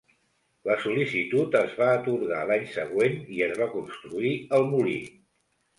La sol·licitud es va atorgar l'any següent i es va construir el molí.